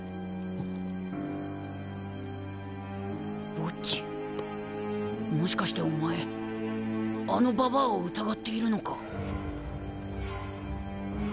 ボッジもしかしてお前あのババアを疑っているのか？